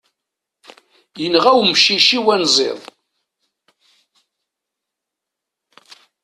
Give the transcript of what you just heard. Yenɣa umcic-iw anziḍ.